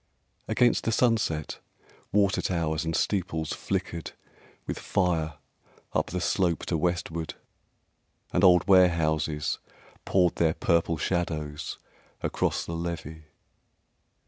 Against the sunset, water towers and steeples Flickered with fire up the slope to westward, And old warehouses poured their purple shadows Across the levee.